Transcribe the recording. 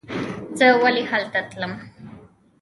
زه ولې هلته تلم.